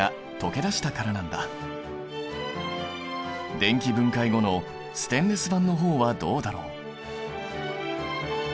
電気分解後のステンレス板の方はどうだろう？